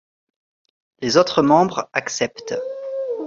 Les autres membres acceptent.